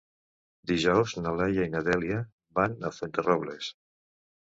Dijous na Laia i na Dèlia van a Fuenterrobles.